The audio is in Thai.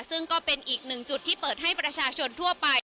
ซึ่งก็เป็นอีกหนึ่งจุดที่เปิดให้ประชาชนทั่วไป